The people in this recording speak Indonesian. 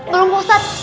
belum pak ustadz